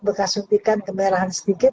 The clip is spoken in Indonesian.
bekas suntikan kemerahan sedikit